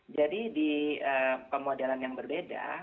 jadi di pemodelan yang berbeda